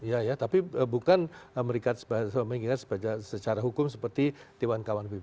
ya ya tapi bukan amerika secara hukum seperti dewan kawan pbb